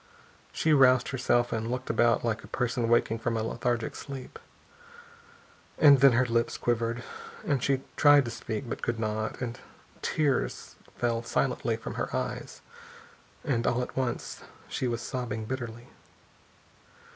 She roused herself and looked about like a person waking from a lethargic sleep. And then her lips quivered, and she tried to speak and could not, and tears fell silently from her eyes, and all at once she was sobbing bitterly.